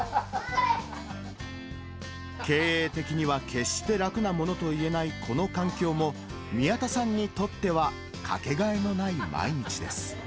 経営的には決して楽なものといえないこの環境も、宮田さんにとってはかけがえのない毎日です。